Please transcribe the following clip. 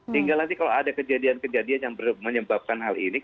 tinggal nanti kalau ada kejadian kejadian yang menyebabkan hal ini